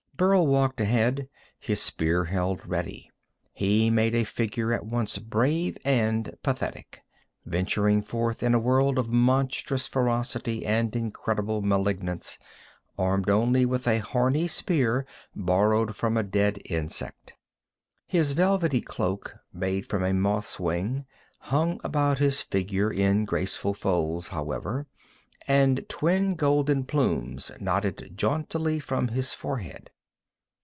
Burl walked ahead, his spear held ready. He made a figure at once brave and pathetic, venturing forth in a world of monstrous ferocity and incredible malignance, armed only with a horny spear borrowed from a dead insect. His velvety cloak, made from a moth's wing, hung about his figure in graceful folds, however, and twin golden plumes nodded jauntily from his forehead.